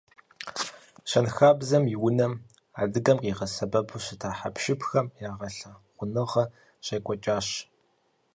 Щэнхабзэм и унэм адыгэм къигъэсэбэпу щыта хьэпшыпхэм я гъэлъэгъуэныгъэ щекӏуэкӏащ.